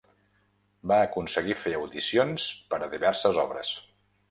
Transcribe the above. Va aconseguir fer audicions per a diverses obres.